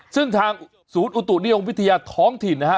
ซึ่งทางศูนย์อุตุนิยมวิทยาท้องถิ่นนะฮะ